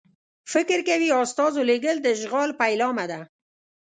فکر کوي استازو لېږل د اشغال پیلامه ده.